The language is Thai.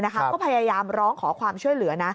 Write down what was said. ก็พยายามร้องขอความช่วยเหลือนะ